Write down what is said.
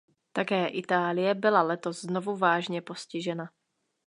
Také Itálie byla letos znovu vážně postižena.